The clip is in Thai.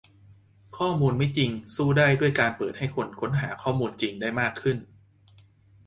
ข้อมูลไม่จริงสู้ได้ด้วยการเปิดให้คนค้นหาข้อมูลจริงได้มากขึ้น